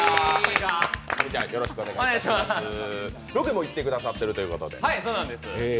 ロケも行ってくださっているということで。